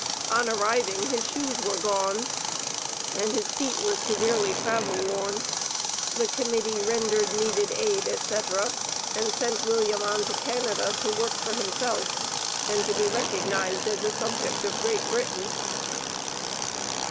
On arriving, his shoes were gone, and his feet were severely travel worn. The Committee rendered needed aid, etc., and sent William on to Canada to work for himself, and to be recognized as a subject of Great Britain.